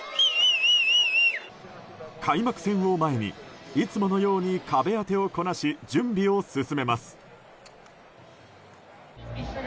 開幕戦を前にいつものように壁当てをこなし準備を進めます。